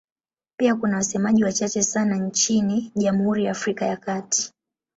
Pia kuna wasemaji wachache sana nchini Jamhuri ya Afrika ya Kati.